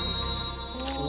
お。